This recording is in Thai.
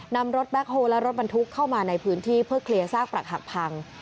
นำรถแบ็คโฮและรถบรรทุกเข้ามาในพื้นที่เพื่อเคลียร์ซากปรักหักพัง